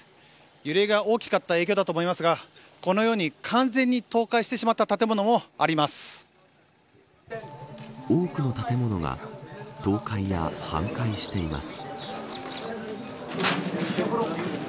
揺れが大きかった影響だと思いますがこのように完全に倒壊してしまった建物も多くの建物が倒壊や半壊しています。